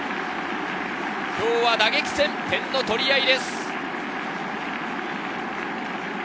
今日は打撃戦、点の取り合いです。